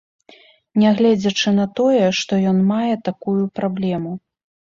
Нягледзячы на тое, што ён мае такую праблему.